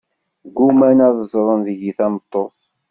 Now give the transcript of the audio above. Gguman ad ẓẓren deg-i tameṭṭut.